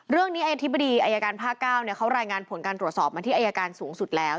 เรื่องนี้อธิบดีอายการภาค๙เขารายงานผลการตรวจสอบมาที่อายการสูงสุดแล้ว